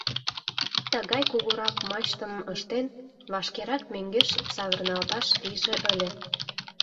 Тыгай кугурак мачтым ыштен, вашкерак мӧҥгеш савырналташ лийже ыле...